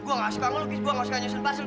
gue gak suka ngelukis gue gak suka nyusun puzzle